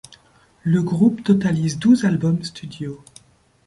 Le groupe totalise douze albums studio.